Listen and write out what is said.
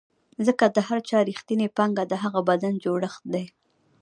ځکه د هر چا رښتینې پانګه د هغه بدن جوړښت دی.